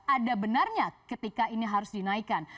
ada benarnya ketika ini harus dinaikkan